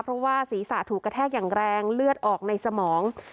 เพราะว่าศีรษะถูกกระแทกอย่างแรงเลือดออกในสมอง